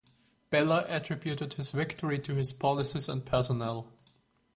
Bala attributed his victory to his policies and personnel.